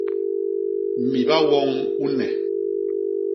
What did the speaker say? Miba woñ u nne.